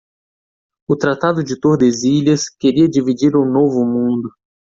O tratado de Tordesilhas queria dividir o novo mundo.